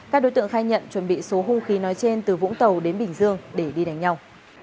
các đối tượng khai nhận chuẩn bị số hung khí nói trên từ vũng tàu đến bình dương để đi đánh nhau